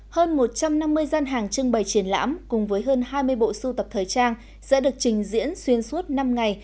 hơn một trăm năm mươi gian hàng trưng bày triển lãm cùng với hơn hai mươi bộ sưu tập thời trang sẽ được trình diễn xuyên suốt năm ngày